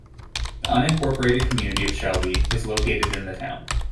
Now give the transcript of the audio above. The unincorporated community of Shelby is located in the town.